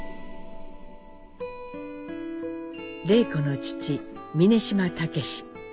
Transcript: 礼子の父峯島武。